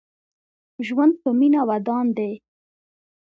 ژوند په مينه ودان دې